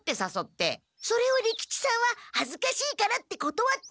それを利吉さんははずかしいからってことわって。